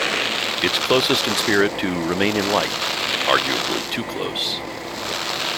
It's closest in spirit to Remain in Light - arguably too close.